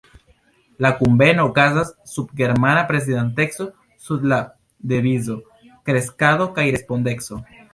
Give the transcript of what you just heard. La kunveno okazas sub germana prezidanteco sub la devizo „kreskado kaj respondeco“.